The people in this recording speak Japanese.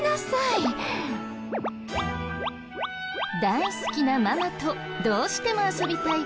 大好きなママとどうしても遊びたい